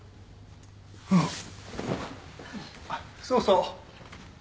そうそう。